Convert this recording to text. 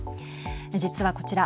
実は、こちら。